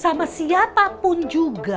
sama siapapun juga